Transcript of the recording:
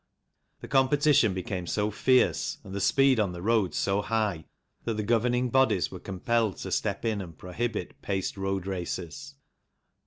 The competition became so fierce, and the speed on the road so high, that the governing bodies were compelled to step in and prohibit paced road races.